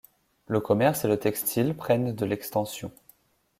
Le commerce et le textile prennent de l’extension.